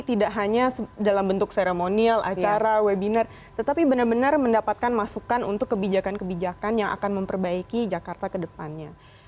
tidak hanya dalam bentuk seremonial acara webinar tetapi benar benar mendapatkan masukan untuk kebijakan kebijakan yang akan memperbaiki jakarta ke depannya